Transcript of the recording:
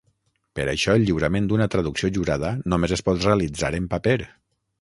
Per això, el lliurament d'una traducció jurada només es pot realitzar en paper.